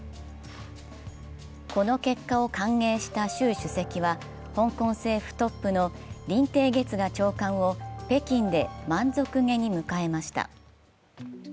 この結果を歓迎した習主席は香港政府トップの林鄭月娥長官を北京で満足げに迎えました。